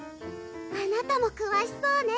あなたもくわしそうね